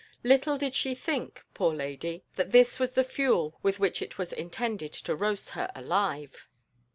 Little did she think, poor lady, that this was the fuel with which it was intended to roast her alive!